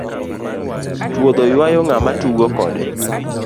Choudho ywayo ng'ama tugo kode.